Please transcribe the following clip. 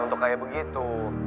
untuk kayak begitu